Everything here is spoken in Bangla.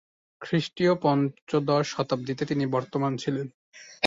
খ্রীষ্টীয় পঞ্চদশ শতাব্দীতে তিনি বর্তমান ছিলেন।